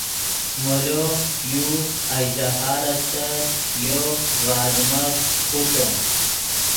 مولو یو اژدھار استت یو ڤے آدمف خوتے